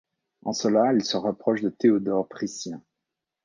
En cela il se rapproche de Théodore Priscien.